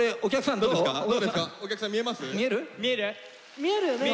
見えるよね？